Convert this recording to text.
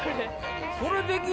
それできん